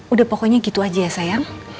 udah pokoknya gitu aja ya sayang